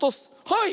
はい！